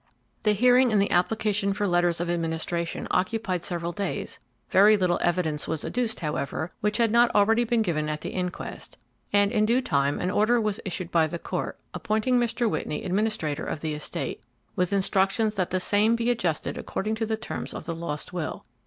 The hearing in the application for letters of administration occupied several days; very little evidence was adduced, however, which had not already been given at the inquest, and in due time an order was issued by the court, appointing Mr. Whitney administrator of the estate, with instructions that the same be adjusted according to the terms of the lost will.